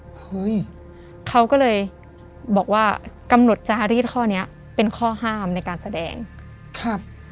เฮ้ยเขาก็เลยบอกว่ากำหนดจารีดข้อเนี้ยเป็นข้อห้ามในการแสดงครับ